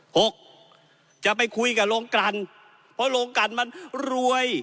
หกจะไปคุยกับโรงกันเพราะโรงกันมันรวย